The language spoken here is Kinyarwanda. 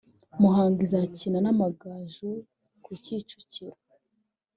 Muhanga izakina n’Amagaju ku Kicukiro